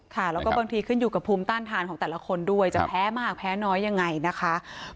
ค่ะแล้วก็บางทีขึ้นอยู่กับภูมิต้านทานของแต่ละคนด้วยจะแพ้มากแพ้น้อยยังไงนะคะ